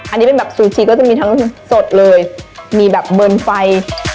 อันนี้เป็นแบบซูชิก็จะมีทั้งสดเลยมีแบบเบิร์นไฟ